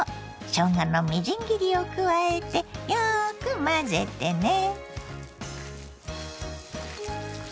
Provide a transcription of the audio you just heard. しょうがのみじん切りを加えてよく混ぜてね。